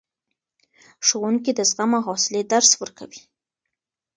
ښوونکي د زغم او حوصلې درس ورکوي.